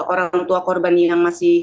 orang tua korban yang masih